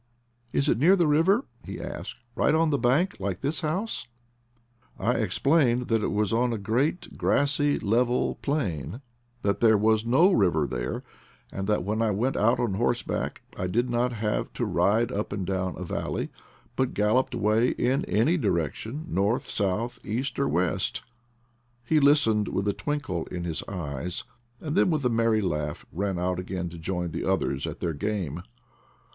"Is it near the river,* 9 he asked, " right on the bank, like this house ?" I explained that it was on a great, grassy, level plain, that there was no river there, and that when I went out on horseback I did not have to ride up and down a valley, but galloped away in any direction — north, south, east, or west. He listened with a twinkle in his eyes, then with a merry laugh ran out again to join the others at their game.